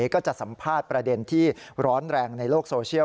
ก็จะสัมภาษณ์ประเด็นที่ร้อนแรงในโลกโซเชียล